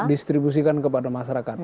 distribusikan kepada masyarakat